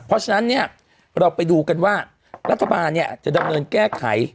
เพราะฉะนั้นเนี่ยเราไปดูกันว่ารัฐบาลเนี่ยจะดำเนินแก้ไข